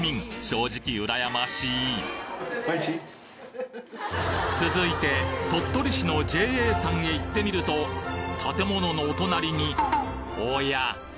正直羨ましい続いて鳥取市のＪＡさんへ行ってみると建物のお隣におや？